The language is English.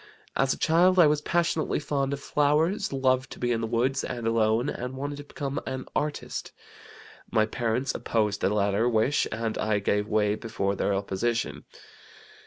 As a child I was passionately fond of flowers, loved to be in the woods and alone, and wanted to become an artist. My parents opposed the latter wish and I gave way before their opposition.